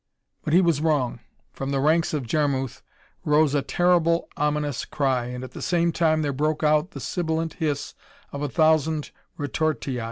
But he was wrong. From the ranks of Jarmuth rose a terrible, ominous cry and at the same time there broke out the sibilant hiss of a thousand retortii.